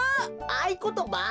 あいことば？